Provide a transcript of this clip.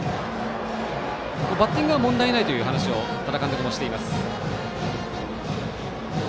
バッティングは問題ないという話は多田監督もしています。